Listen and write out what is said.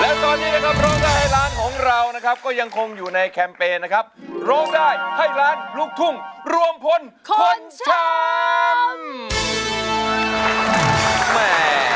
และตอนนี้นะครับร้องได้ให้ร้านของเรานะครับก็ยังคงอยู่ในแคมเปญนะครับร้องได้ให้ล้านลูกทุ่งรวมพลคนช้ำ